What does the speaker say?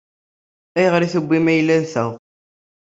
Ayɣer i tewwim ayla-nteɣ?